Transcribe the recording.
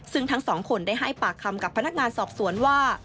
ซึ่งทั้งสองคนได้ให้ปากคำกับพนักงานสอบสวนว่า